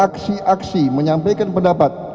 aksi aksi menyampaikan pendapat